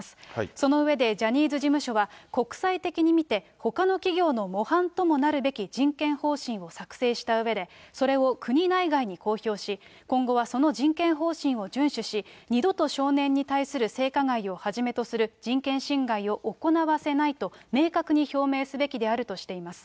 その上でジャニーズ事務所は、国際的に見てほかの企業の模範ともなるべき人権方針を作成したうえで、それを国内外に公表し、今後はその人権方針を順守し、二度と少年に対する性加害をはじめとする人権侵害を行わせないと、明確に表明すべきであるとしています。